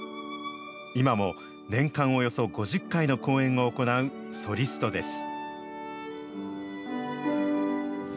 今も年間およそ５０回の公演を行うソリストです。